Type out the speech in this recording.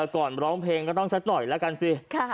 ก่อนมาร้องเพลงก็ต้องซัดหน่อยละกันสิ